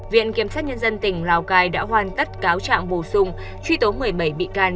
viện kiểm sát nhân dân tỉnh lào cai đã hoàn tất cáo trạng bổ sung truy tố một mươi bảy bị can